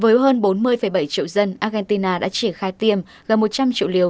với hơn bốn mươi bảy triệu dân argentina đã triển khai tiêm gần một trăm linh triệu liều